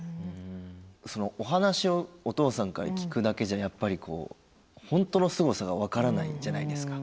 お話をお父さんから聞くだけじゃやっぱり本当のすごさが分からないじゃないですか。